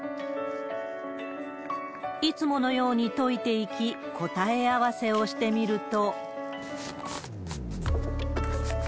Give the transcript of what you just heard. いつものように解いていき、答え合わせをしてみると。